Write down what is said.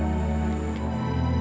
namanya rakau ng alternatif